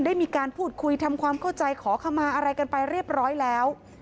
ได้มีการพูดคุยทำความเข้าใจขอขมาอะไรกันไปเรียบร้อยแล้ว